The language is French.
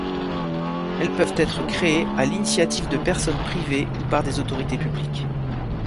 Elles peuvent être créées à l'initiative de personnes privées ou par des autorités publiques.